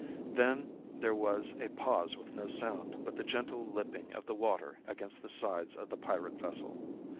Then there was a pause with no sound but the gentle lipping of the water against the sides of the pirate vessel.